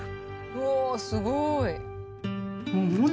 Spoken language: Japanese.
うわすごい！